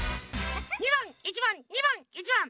２ばん１ばん２ばん１ばん。